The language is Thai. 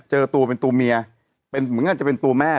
เจอตัวเป็นตัวเมียเป็นเหมือนกันจะเป็นตัวแม่